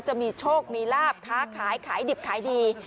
จะมีโชคมีลาบค้าขายขายดิบขายดี